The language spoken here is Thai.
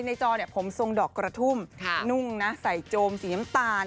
จอผมทรงดอกกระทุ่มนุ่งนะใส่โจมสีน้ำตาล